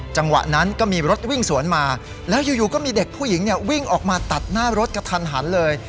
จังหวะนั้นก็มีรถวิ่งสวนมาแล้วอยู่ก็มีเด็กผู้หญิงเนี่ยวิ่งออกมาตัดหน้ารถกระทันหันเลย